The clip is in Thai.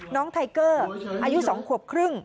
น้องไทเกอร์อายุ๒กว่าครึ่ง